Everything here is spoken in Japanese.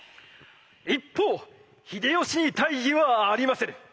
一方秀吉に大義はありませぬ。